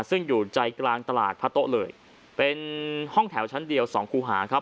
ซึ่งอยู่ใจกลางตลาดพระโต๊ะเลยเป็นห้องแถวชั้นเดียวสองคู่หาครับ